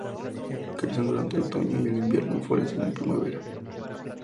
Crecen durante el otoño y el invierno y florecen en primavera.